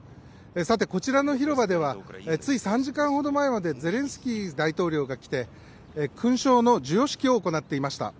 こちらの広場ではつい３時間ほど前までゼレンスキー大統領が来て勲章の授与式を行っていました。